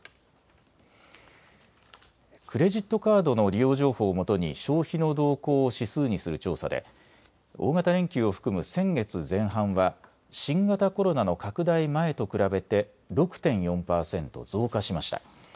クレジットカードの利用情報をもとに消費の動向を指数にする調査で大型連休を含む先月前半は新型コロナの拡大前と比べて６．４％増加しました。